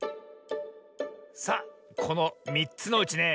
さあこの３つのうちね